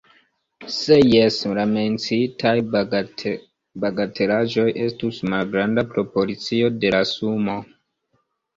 Se jes, la menciitaj bagatelaĵoj estus malgranda proporcio de la sumo.